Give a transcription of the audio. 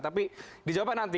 tapi dijawabkan nanti